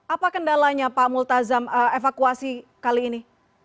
apa kendalanya pak multazam evakuasi kali ini